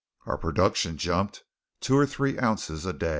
Our production jumped two or three ounces a day.